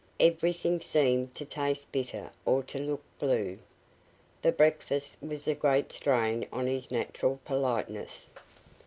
Everything seemed to taste bitter or to look blue. That breakfast was a great strain on his natural politeness.